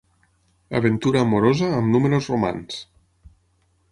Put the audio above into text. Aventura amorosa amb números romans.